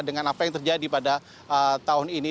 dengan apa yang terjadi pada tahun ini